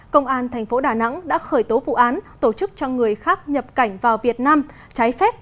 công an thành phố đà nẵng đã khởi tố vụ án tổ chức cho người khác nhập cảnh vào việt nam trái phép